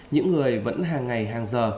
những người vẫn hàng ngày hàng giờ